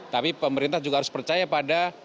tapi pemerintah juga harus percaya pada